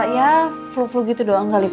ya flu flu gitu doang kali